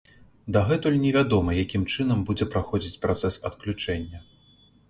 Дагэтуль невядома, якім чынам будзе праходзіць працэс адключэння.